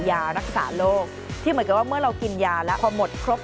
ยารักษาโรคที่เหมือนกับว่าเมื่อเรากินยาแล้วพอหมดครบ